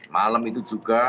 malam itu juga